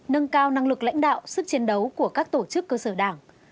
nâng cao năng lực lãnh đạo sức chiến đấu của các tổ chức cơ sở đảng